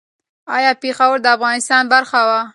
ایا پېښور د افغانستان برخه وه؟